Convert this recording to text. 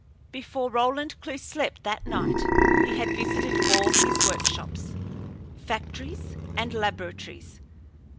Before Roland Clewe slept that night he had visited all his workshops, factories, and laboratories.